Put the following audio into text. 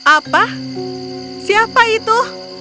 apa siapa itu